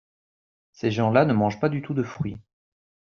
Ces gens-là ne mangent pas du tout de fruits.